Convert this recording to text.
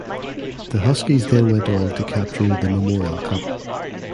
The Huskies then went on to capture the Memorial Cup.